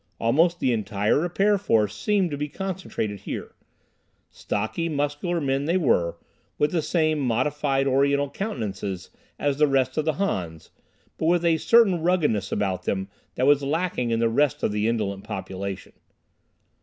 Almost the entire repair force seemed to be concentrated here. Stocky, muscular men they were, with the same modified Oriental countenances as the rest of the Hans, but with a certain ruggedness about them that was lacking in the rest of the indolent population.